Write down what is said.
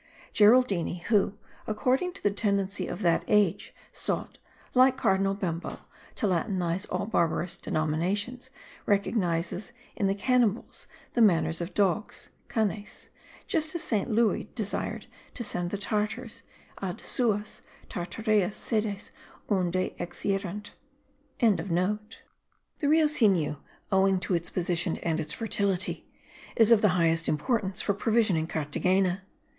Geraldini who, according to the tendency of that age, sought, like Cardinal Bembo, to latinize all barbarous denominations, recognizes in the Cannibals the manners of dogs (canes) just as St. Louis desired to send the Tartars ad suas tartareas sedes unde exierint.) The Rio Sinu, owing to its position and its fertility, is of the highest importance for provisioning Carthagena.